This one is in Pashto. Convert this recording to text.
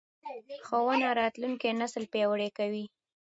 ښوونه راتلونکی نسل پیاوړی کوي